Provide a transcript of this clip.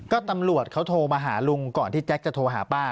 ก็ตำรวจเขาโทรมาหาลุงก่อนที่แจ๊คจะโทรหาป้า